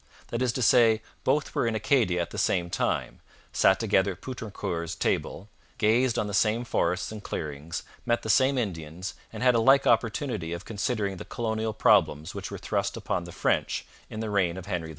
That is to say, both were in Acadia at the same time, sat together at Poutrincourt's table, gazed on the same forests and clearings, met the same Indians, and had a like opportunity of considering the colonial problems which were thrust upon the French in the reign of Henry IV.